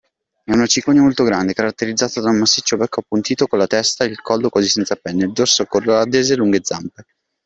È una cicogna molto grande, caratterizzata da un massiccio becco appuntito, con la testa e il collo quasi senza penne, il dorso color ardesia e lunghe zampe.